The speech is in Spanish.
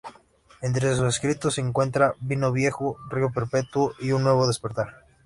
Entre sus escritos se encuentran: Vino Viejo, Rio Perpetuo y Un Nuevo Despertar.